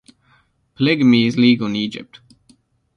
Polygamy is legal in Egypt.